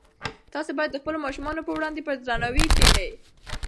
تاسي باید د خپلو مشرانو په وړاندې په درناوي کښېنئ.